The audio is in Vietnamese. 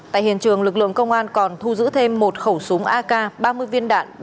tại hiện trường lực lượng công an còn thu giữ thêm một khẩu súng ak ba mươi viên đạn